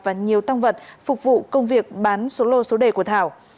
và nhiều tăng vật phục vụ công việc bán số lô số đề của thảo